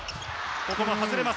ここも外れます。